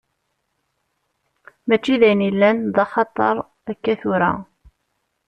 Mačči d ayen yellan d axatar akka tura.